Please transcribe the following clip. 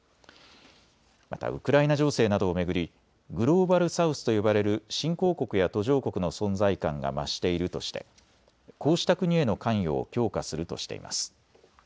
またウクライナ情勢などを巡りグローバル・サウスと呼ばれる新興国や途上国の存在感が増しているとしてこうした国への関与を強化するとしています。